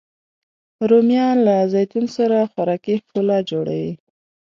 رومیان له زیتون سره خوراکي ښکلا جوړوي